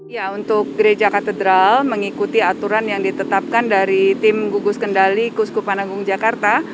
ya untuk gereja katedral mengikuti aturan yang ditetapkan dari tim gugus kendali kuskupanagung jakarta